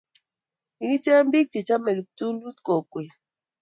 Kikinyei biik che chamei kiptulit kokwet